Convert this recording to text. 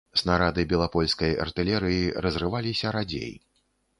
Снарады белапольскай артылерыі разрываліся радзей.